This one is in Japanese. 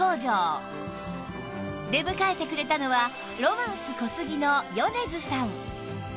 出迎えてくれたのはロマンス小杉の米津さん